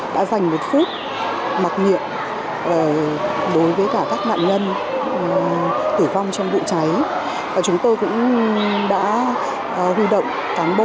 đã dành một phút mặc niệm đối với các nạn nhân